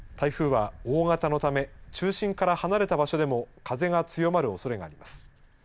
台風は大型のため中心から離れた場所でも風が強まるおそれがあります。